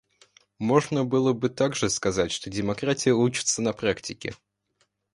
Можно было бы также сказать, что демократия учится на практике.